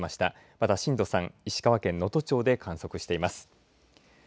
また震度３石川県能登町で観測しています。